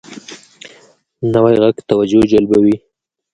نوی غږ توجه جلبوي